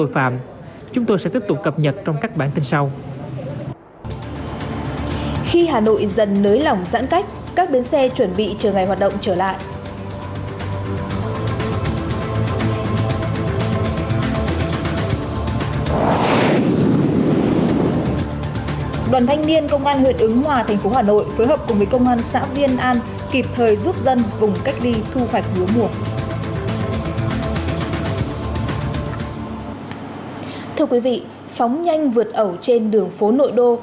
phóng nhanh vượt ẩu trên đường phố nội đô